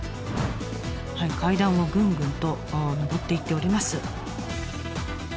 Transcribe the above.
はい階段をぐんぐんと上っていっております。